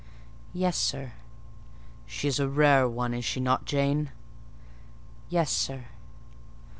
"Yes, sir." "She's a rare one, is she not, Jane?" "Yes, sir."